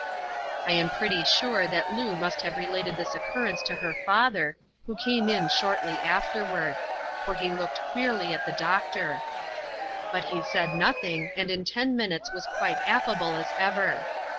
I am pretty sure that Loo must have related this occurrence to her father, who came in shortly afterward ; for he looked q^early at the doctor. But he said nothing, and in ten minutes was quite affable as ever.